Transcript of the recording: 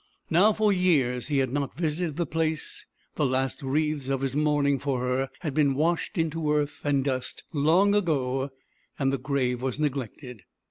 Now for years he had not visited the place: the last wreaths of his mourning for her had been washed into earth and dust long ago, and the grave was neglected.